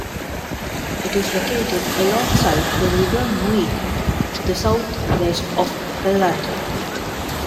It is located alongside the River Muick to the southwest of Ballater.